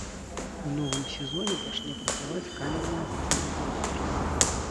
У новым сезоне пачне працаваць камерная сцэна тэатра.